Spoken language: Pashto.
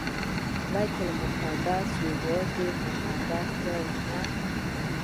بیت المقدس یوازې یو مقدس ځای نه.